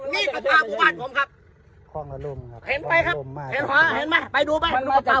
นี่ปลาปลาบุบัตรผมครับคล้องกระแทดลงครับเห็นไปครับเห็นขวาเห็นไหม